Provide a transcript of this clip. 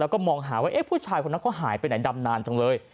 แล้วก็มองหาว่าผู้ชายคนนั้นเขาหายไปไหนดำนานจังเลย